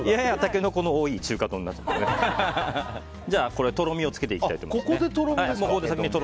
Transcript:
これで、とろみをつけていきたいと思います。